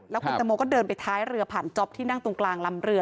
แล้วคุณตังโมก็เดินไปท้ายเรือผ่านจ๊อปที่นั่งตรงกลางลำเรือ